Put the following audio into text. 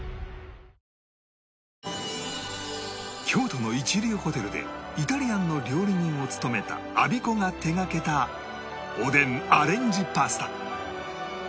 京都の一流ホテルでイタリアンの料理人を務めたアビコが手掛けたおでんアレンジパスタ